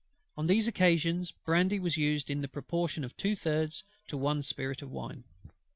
On these occasions brandy was used in the proportion of two thirds to one of spirit of wine.